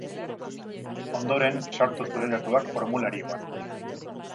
Ondoren, sartu zure datuak formularioan.